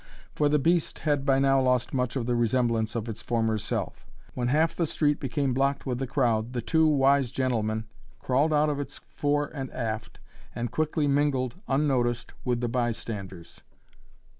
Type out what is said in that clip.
for the beast had by now lost much of the resemblance of its former self. When half the street became blocked with the crowd, the two wise gentlemen crawled out of its fore and aft, and quickly mingled, unnoticed, with the bystanders.